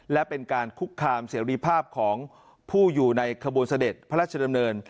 และเป็นการคุกคามเสรีภาพของผู้อยู่ในขบวนเสด็จพระราชดำเนิน